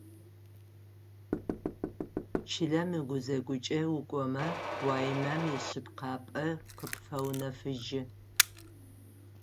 Чылэм ыгузэгукӏэ укӏомэ уаимэм ишъыпкъапӏэ къыпфэунэфыжьы.